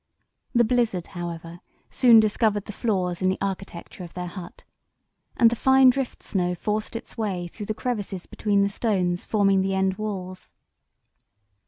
The blizzard, however, soon discovered the flaws in the architecture of their hut, and the fine drift snow forced its way through the crevices between the stones forming the end walls.